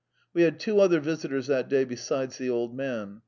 We had two other visitors that day besides the old man.